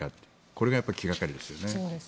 これが気がかりですよね。